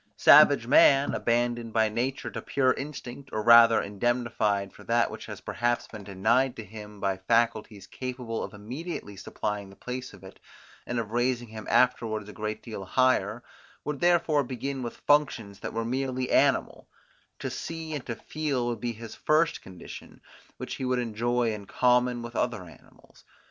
Savage man, abandoned by nature to pure instinct, or rather indemnified for that which has perhaps been denied to him by faculties capable of immediately supplying the place of it, and of raising him afterwards a great deal higher, would therefore begin with functions that were merely animal: to see and to feel would be his first condition, which he would enjoy in common with other animals.